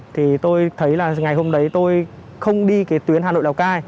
thì tôi thấy là ngày hôm đấy tôi không đi cái tuyến hà nội lào cai